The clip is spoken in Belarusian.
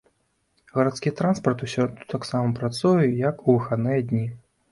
Гарадскі транспарт у сераду таксама працуе як у выхадныя дні.